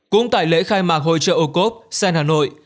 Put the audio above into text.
cũng tại lễ khai mạc hội trợ ô cốp sen hà nội